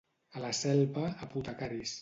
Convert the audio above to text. A la Selva, apotecaris.